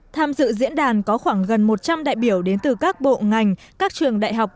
tham dự diễn đàn có khoảng gần một trăm linh đại biểu đến từ các bộ ngành các trường đại học